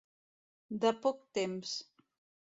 De poc temps.